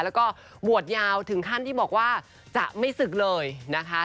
แล้วก็บวชยาวถึงขั้นที่บอกว่าจะไม่ศึกเลยนะคะ